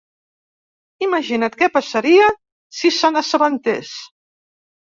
Imagina't què passaria si se n'assabentés.